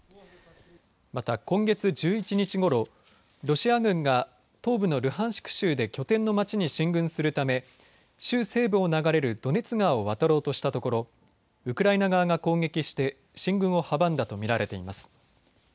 また、今月１１日ごろロシア軍が東部のルハンシク州で拠点の町に進軍するため州西部を流れるドネツ川を渡ろうとしたところウクライナ側が攻撃して進軍を阻んだとみられています。